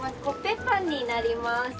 コッペパンになります。